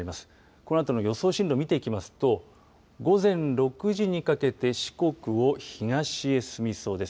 このあとの予想進路見ていきますと午前６時にかけて四国を東へ進みそうです。